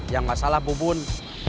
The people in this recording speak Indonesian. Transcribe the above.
yang masalah bubun